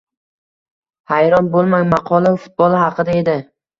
Hayron bo‘lmang, maqola futbol haqida emas